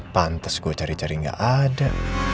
pantes gue cari cari gak ada